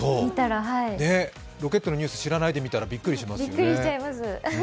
ロケットのニュース知らないで見たらびっくりしちゃいますよね。